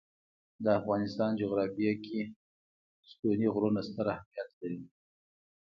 د افغانستان جغرافیه کې ستوني غرونه ستر اهمیت لري.